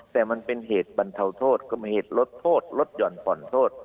แต่มันเป็นเหตุบรรเทาโทษก็มีเหตุลดโทษลดหย่อนผ่อนโทษ